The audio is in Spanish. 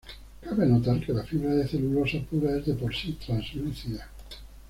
Cabe anotar que la fibra de celulosa pura es de por sí translúcida.